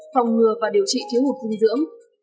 phòng ngừa và điều trị thiếu hụt dinh dưỡng